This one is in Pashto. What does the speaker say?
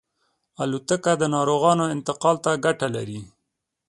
الوتکه د ناروغانو انتقال ته ګټه لري.